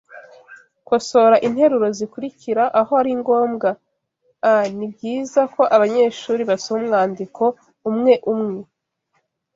Kosora interuro zikurikira aho ari ngombwa a Nibyiza ko abanyeshuri basoma umwandiko umwe umwe